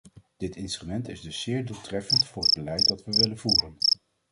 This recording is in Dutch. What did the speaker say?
Dit instrument is dus zeer doeltreffend voor het beleid dat we willen voeren.